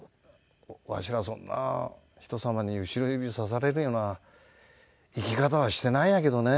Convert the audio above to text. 「わしらそんな人様に後ろ指さされるような生き方はしてないんやけどね」